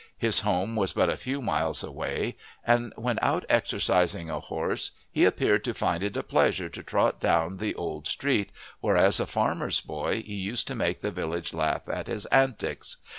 His home was but a few miles away, and when out exercising a horse he appeared to find it a pleasure to trot down the old street, where as a farmer's boy he used to make the village laugh at his antics.